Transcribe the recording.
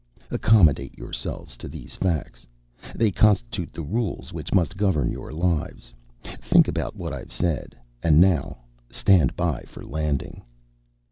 Accommodate yourselves to these facts. They constitute the rules which must govern your lives. Think about what I've said. And now stand by for landing."